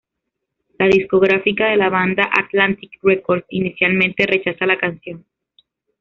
La discográfica de la banda Atlantic Records inicialmente rechaza la canción.